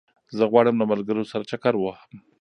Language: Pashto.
زه غواړم له ملګرو سره چکر ووهم